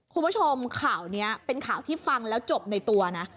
คุณผู้ชมข่าวนี้เป็นข่าวที่ฟังแล้วจบในตัวนะ